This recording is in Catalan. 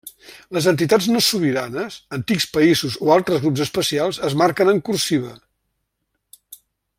Les entitats no sobiranes, antics països o altres grups especials es marquen en cursiva.